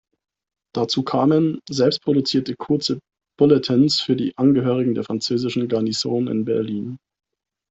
Dazu kamen selbstproduzierte kurze Bulletins für die Angehörigen der französischen Garnison in Berlin.